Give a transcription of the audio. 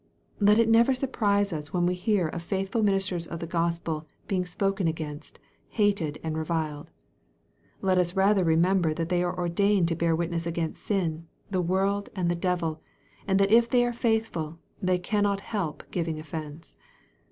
Let it never surprise us when we hear of faithful ministers of the Gospel being spoken against, hated, and reviled. Let us rather remember that they are ordained to bear witness against sin, the world, and the devil, and that if they are faithful, they cannot help giving oifence.